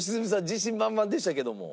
自信満々でしたけども。